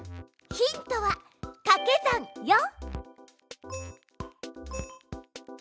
ヒントはかけ算よ！